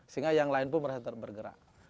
sehingga yang lain pun merasa bergerak